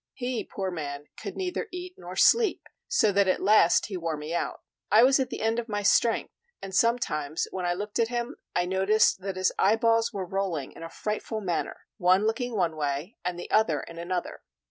He, poor man, could neither eat nor sleep; so that at last he wore me out. I was at the end of my strength; and sometimes when I looked at him, I noticed that his eyeballs were rolling in a frightful manner, one looking one way and the other in another.